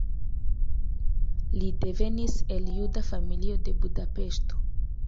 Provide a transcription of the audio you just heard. Li devenis el juda familio de Budapeŝto.